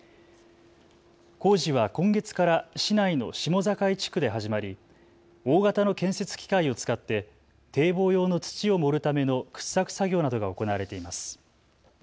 工事は今月から市内の下境地区で始まり、大型の建設機械を使って堤防用の土を盛るための掘削作業などが行われています。